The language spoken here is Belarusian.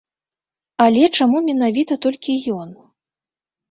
Але чаму менавіта толькі ён?